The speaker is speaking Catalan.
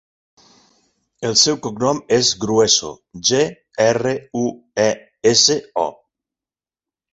El seu cognom és Grueso: ge, erra, u, e, essa, o.